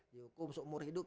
dihukum seumur hidup